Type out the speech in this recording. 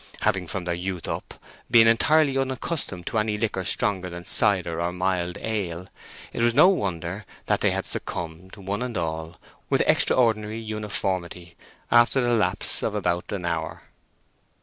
Having from their youth up been entirely unaccustomed to any liquor stronger than cider or mild ale, it was no wonder that they had succumbed, one and all, with extraordinary uniformity, after the lapse of about an hour.